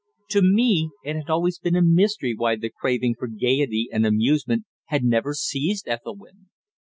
To me it had always been a mystery why the craving for gaiety and amusement had never seized Ethelwynn.